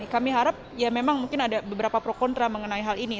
kami harap ada beberapa pro kontra mengenai hal ini